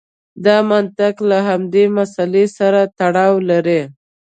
دا منطق له همدې مسئلې سره تړاو لري.